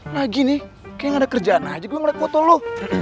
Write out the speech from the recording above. lagi nih kayaknya gak ada kerjaan aja gue nge like foto lu